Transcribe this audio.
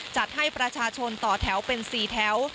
จัดให้ประชาชนต่อแถวเป็น๔แถว